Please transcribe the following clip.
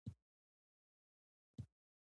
په څلورو ورځو کې برابر کړل.